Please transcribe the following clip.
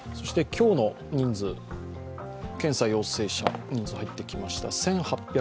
今日の人数、検査陽性者、入ってきました。